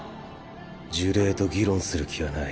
呪霊と議論する気はない。